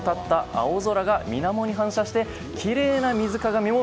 青空が水面に反射してきれい！